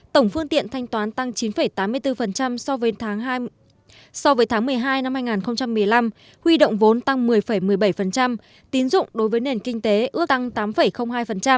tổng phương tiện thanh toán tăng chín tám mươi bốn so với tháng một mươi hai năm hai nghìn một mươi năm huy động vốn tăng một mươi một mươi bảy tín dụng đối với nền kinh tế ước tăng tám hai